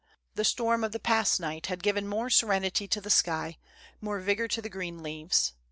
The storm of the past night had given more serenity to the sky, more vigor to the green leaves.